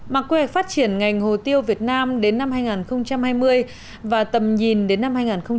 mà quy hoạch phát triển ngành hồ tiêu việt nam đến năm hai nghìn hai mươi và tầm nhìn đến năm hai nghìn ba mươi